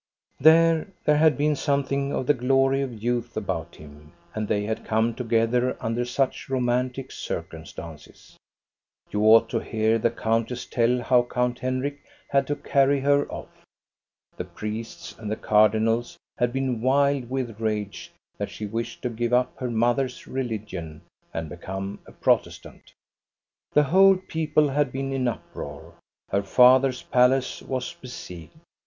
There, there had been something of the glory of youth about him, and they had come together under such romantic circumstances. You ought to hear the countess tell how Count Henrik had to carry her off. The priests and the cardinals had been wild with rage that she wished to give up her mother's religion and become a 174 THE STORY OF GOSTA BERLING Protestant. The whole people had been in uproar. Her father's palace was besieged.